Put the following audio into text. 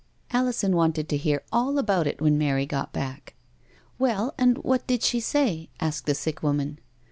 Alison wanted to hear all about it when Mary got back. " Well, and what did she say ?" asked the sick woman.